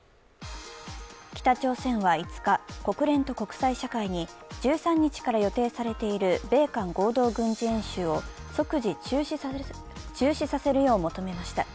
北朝鮮は５日、国連と国際社会に１３日から予定されている米韓合同軍事演習を即時中止させるよう求めました。